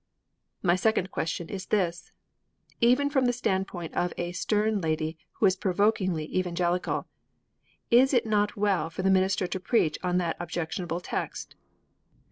My second question is this. Even from the standpoint of 'a stern lady who is provokingly evangelical,' is it not well for the minister to preach on that objectionable text?